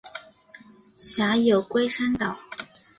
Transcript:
辖有龟山岛。